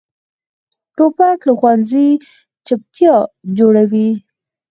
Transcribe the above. توپک له ښوونځي چپتیا جوړوي.